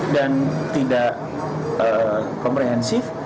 dan tidak komprehensif